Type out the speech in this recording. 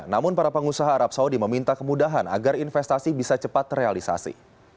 namun para pengusaha arab saudi meminta kemudahan agar investasi bisa cepat terrealisasi